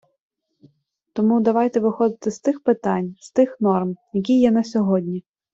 Тому давайте виходити з тих питань, з тих норм, які є на сьогодні.